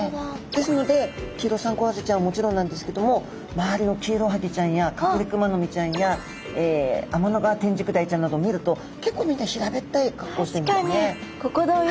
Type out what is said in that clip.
ですのでキイロサンゴハゼちゃんはもちろんなんですけども周りのキイロハギちゃんやカクレクマノミちゃんやアマノガワテンジクダイちゃんなどを見ると結構みんな平べったい格好をしてるんですね。